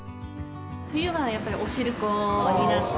冬はやっぱりおしるこになって。